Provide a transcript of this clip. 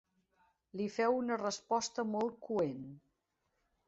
Li feu una resposta molt coent.